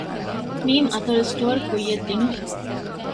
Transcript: މ. އަތޮޅު ސްޓޯރ ކުއްޔަށް ދިނުން